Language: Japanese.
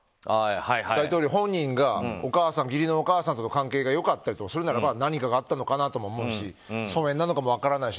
大統領本人が義理のお母さんとの関係が良かったりとかするならば何かがあったのかなと思うし疎遠なのかも分からないし。